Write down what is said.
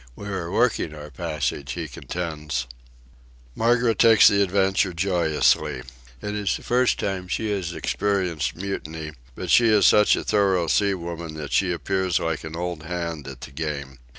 We are working our passage, he contends. Margaret takes the adventure joyously. It is the first time she has experienced mutiny, but she is such a thorough sea woman that she appears like an old hand at the game.